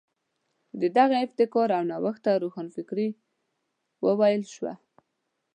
د دغې ابتکار او نوښت ته روښانفکري وویل شوه.